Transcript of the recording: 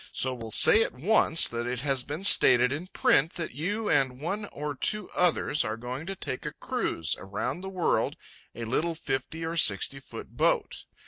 So will say at once that it has been stated in print that you and one or two others are going to take a cruize around the world a little fifty or sixty foot boat.